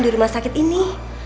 di rumah sakit ini